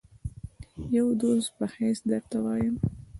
د یوه دوست په حیث درته وایم.